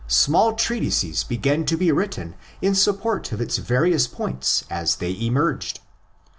Small treatises began to be written in support of its various points as they emerged.